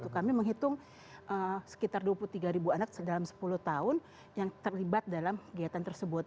kami menghitung sekitar dua puluh tiga ribu anak dalam sepuluh tahun yang terlibat dalam kegiatan tersebut